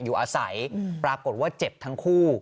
อยู่อาศัยปรากฏว่าเจ็บทั้งคู่